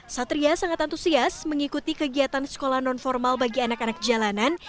satria sangat antusias mengikuti kegiatan sekolah non formal bagi anak anak jalanan